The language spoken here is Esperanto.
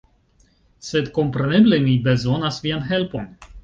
Sed kompreneble mi bezonas vian helpon!